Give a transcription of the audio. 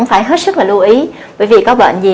phải hết sức là lưu ý bởi vì có bệnh gì